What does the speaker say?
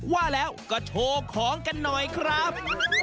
ว่าแล้วก็โชว์ของกันหน่อยครับ